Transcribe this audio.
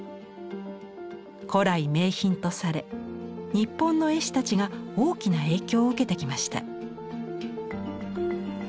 古来名品とされ日本の絵師たちが大きな影響を受けてきました。